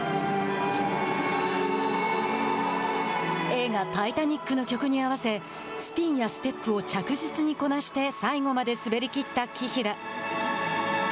映画「タイタニック」の曲に合わせスピンやステップを着実にこなして最後まで滑りきった紀平。